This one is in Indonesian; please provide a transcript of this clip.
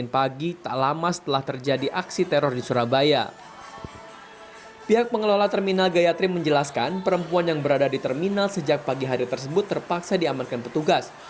pertanyaan tersebut terpaksa diamankan petugas